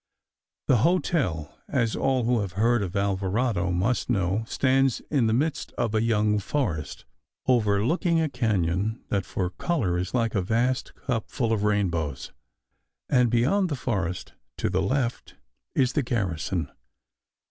The hotel, as all who have heard of Alvarado must know, stands in the midst of a young forest, overlooking a canon that for colour is like a vast cup full of rainbows, and be yond the forest to the left is the garrison.